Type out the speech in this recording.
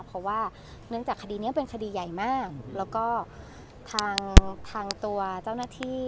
เพราะว่าเนื่องจากคดีนี้เป็นคดีใหญ่มากแล้วก็ทางทางตัวเจ้าหน้าที่